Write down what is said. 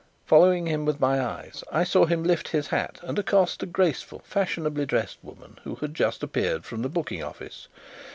Following him with my eyes, I saw him lift his hat and accost a graceful, fashionably dressed woman who had just appeared from the booking office.